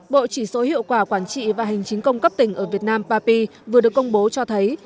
bộ chỉ số hiệu quả quản trị và hành chính công cấp tỉnh ở việt nam papi vừa được công bố cho thấy